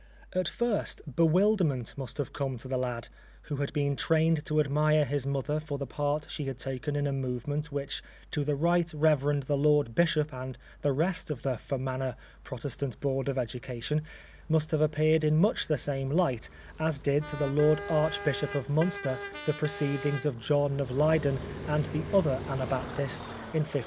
At first bewilderment must have come to the lad, who had been trained to admire his mother for the part she had taken in a movement which to the Right Rev. the Lord Bishop and the rest of The Fermanagh Protestant Board of Education must have appeared in much the same light as did to the Lord Archbishop of Munster the proceedings of John of Ley den and the other Anabaptists in 1536.